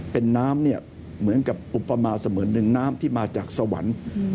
เป็นน้ำเนี่ยเหมือนกับอุปมาเสมือนหนึ่งน้ำที่มาจากสวรรค์